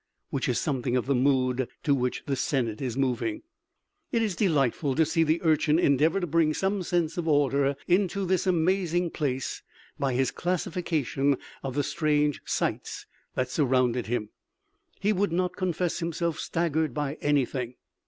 Which is something of the mood to which the Senate is moving. It was delightful to see the Urchin endeavor to bring some sense of order into this amazing place by his classification of the strange sights that surrounded him. He would not confess himself staggered by anything.